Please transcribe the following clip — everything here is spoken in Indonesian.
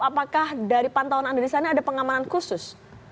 apakah dari pantauan anda di sana ada pengamanan khusus